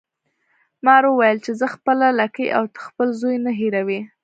مار وویل چې زه خپله لکۍ او ته خپل زوی نه هیروي.